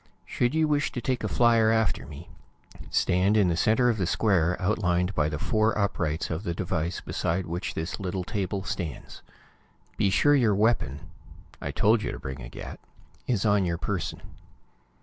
Should you wish to take a flier after me, stand in the center of the square outlined by the four uprights of the device beside which this little table stands. Be sure your weapon I told you to bring a gat is on your person.